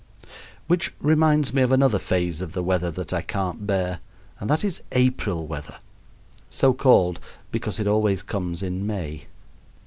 Which reminds me of another phase of the weather that I can't bear, and that is April weather (so called because it always comes in May).